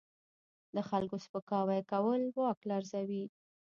د خلکو سپکاوی کول واک لرزوي.